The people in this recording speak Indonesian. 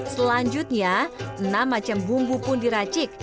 selanjutnya enam macam bumbu pun diracik